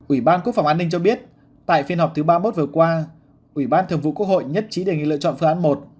ủy ban quốc phòng an ninh cho biết tại phiên họp thứ ba mươi một vừa qua ủy ban thường vụ quốc hội nhất trí đề nghị lựa chọn phương án một